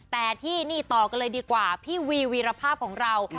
แต่ที่นี่ต่อกันเลยดีกว่าพี่วีวีรภาพของเรา